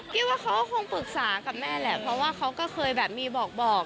คิดว่าเขาก็คงปรึกษากับแม่แหละเพราะว่าเขาก็เคยแบบมีบอก